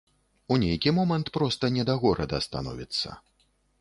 У нейкі момант проста не да горада становіцца.